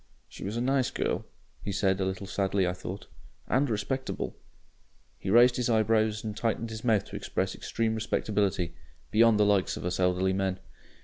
"She was a nice girl," he said a little sadly, I thought. "AND respectable." He raised his eyebrows and tightened his mouth to express extreme respectability beyond the likes of us elderly men.